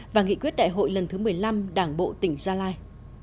và nghị quyết đại hội lần thứ một mươi năm đảng bộ tỉnh gia lai